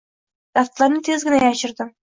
Daftarni tezgina yashirdim